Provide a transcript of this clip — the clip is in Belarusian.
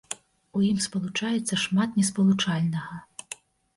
У ім спалучаецца шмат неспалучальнага.